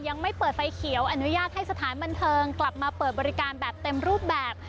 ยังไม่เปิดไฟเขียวอนุญาตให้สถานบันเทิงกลับมาเปิดบริการแบบเต็มรูปแบบ